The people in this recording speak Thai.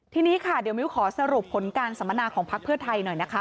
ทีนี้ค่ะเดี๋ยวมิ้วขอสรุปผลการสัมมนาของพักเพื่อไทยหน่อยนะคะ